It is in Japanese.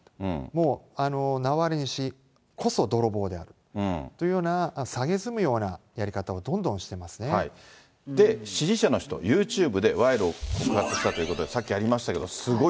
もう、ナワリヌイ氏こそ泥棒であるというようなさげすむようなやり方をで、支持者の人、ユーチューブで賄賂を告白したということで、さっきありましたけ